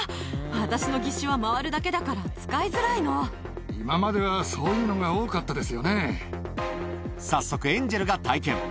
私の義手は回るだけだから使いづ今まではそういうのが多かっ早速、エンジェルが体験。